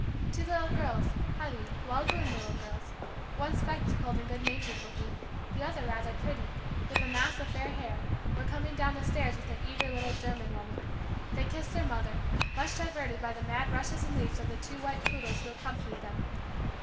Two little girls, heavy, well groomed little girls, one spectacled and good natured looking, the other rather pretty, with a mass of fair hair, were coming down the stairs with an eager little German woman. They kissed their mother, much diverted by the mad rushes and leaps of the two white poodles who accompanied them.